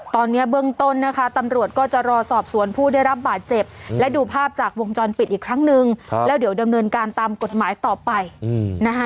ตอนนี้เบื้องต้นนะคะตำรวจก็จะรอสอบสวนผู้ได้รับบาดเจ็บและดูภาพจากวงจรปิดอีกครั้งนึงแล้วเดี๋ยวดำเนินการตามกฎหมายต่อไปนะคะ